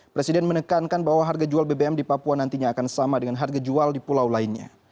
presiden menekankan bahwa harga jual bbm di papua nantinya akan sama dengan harga jual di pulau lainnya